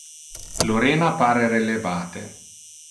Lorena pare relevate.